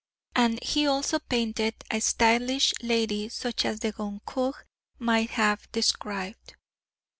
And he also painted a stylish lady such as the Goncourts might have described.